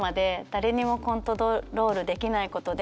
誰にもコントロールできないことで。